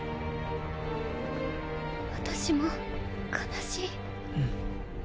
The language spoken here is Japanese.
私も悲しいうん